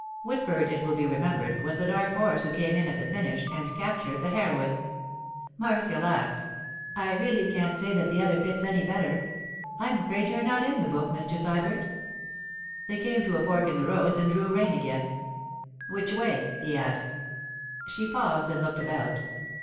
(Whitford, it will be remembered, was the dark horse who came in at the finish and captured the heroine.) Marcia laughed. 'I really can't say that the other fits any better. I'm afraid you're not in the book, Mr. Sybert.' They came to a fork in the roads and drew rein again. 'Which way?' he asked. She paused and looked about.